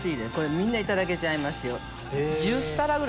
みんないただけちゃいますよ。